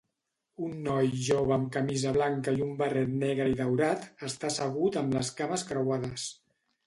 Un noi jove amb camisa blanca i un barret negre i daurat està assegut amb les cames creuades.